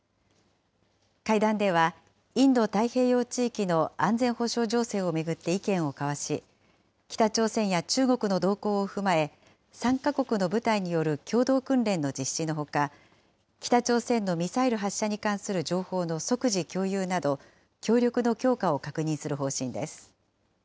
会談では、インド太平洋地域の安全保障情勢を巡って意見を交わし、北朝鮮や中国の動向を踏まえ、３か国の部隊による共同訓練の実施のほか、北朝鮮のミサイル発射に関する情報の即時共有など、協力の強化を確認する方針です。